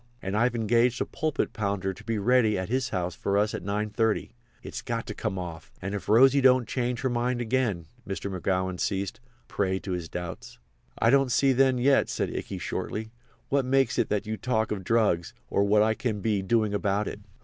And I've engaged a pulpit pounder to be ready at his house for us at 9.30. It's got to come off. And if Rosy don't change her mind again!"—Mr. McGowan ceased, a prey to his doubts. "I don't see then yet," said Ikey, shortly, "what makes it that you talk of drugs, or what I can be doing about it."